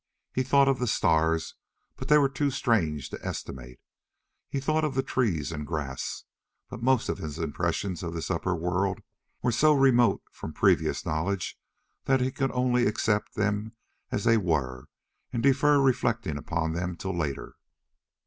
He thought of the stars, but they were too strange to estimate. He thought of the trees and grass. But most of his impressions of this upper world were so remote from previous knowledge that he could only accept them as they were and defer reflecting upon them until later.